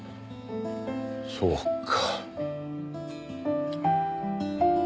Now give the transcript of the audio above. そうか。